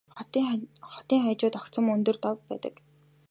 Хотын хажууд огцом өндөр дов байдаг.